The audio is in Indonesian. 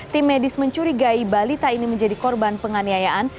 tim medis mencurigai balita ini menjadi korban penganiayaan